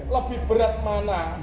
lebih berat mana